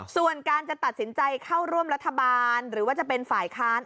ส่วนการจะตัดสินใจเข้าร่วมรัฐบาลหรือว่าจะเป็นฝ่ายค้าน